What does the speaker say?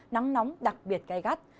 nắng nóng đặc biệt gai gắt